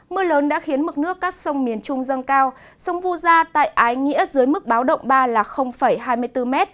mưa lớn đã khiến mực nước các sông miền trung dâng cao sông vu gia tại ái nghĩa dưới mức báo động ba là hai mươi bốn m